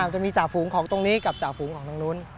จะมีจ่าฝูงของตรงนี้กับจ่าฝูงของทางนู้น